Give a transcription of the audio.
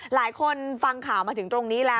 หลายคนฟังข่าวมาถึงตรงนี้แล้ว